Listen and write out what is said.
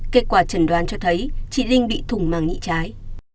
kết quả trần đoán cho thấy chị linh bị thủng màng nhị trái